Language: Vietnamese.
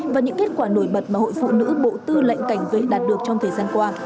và những kết quả nổi bật mà hội phụ nữ bộ tư lệnh cảnh vệ đạt được trong thời gian qua